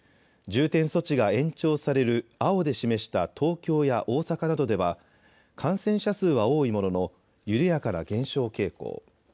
重点措置が延長される青で示した東京や大阪などでは感染者数は多いものの緩やかな減少傾向。